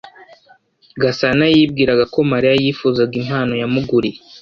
Gasana yibwiraga ko Mariya yifuza impano yamuguriye.